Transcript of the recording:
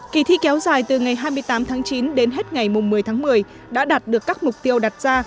kỳ thi kéo dài từ ngày hai mươi tám tháng chín đến hết ngày một mươi tháng một mươi đã đạt được các mục tiêu đặt ra